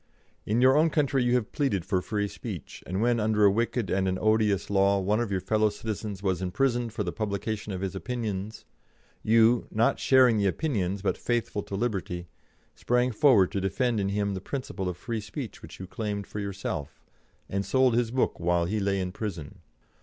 "'In your own country you have pleaded for free speech, and when, under a wicked and an odious law, one of your fellow citizens was imprisoned for the publication of his opinions, you, not sharing the opinions but faithful to liberty, sprang forward to defend in him the principle of free speech which you claimed for yourself, and sold his book while he lay in prison.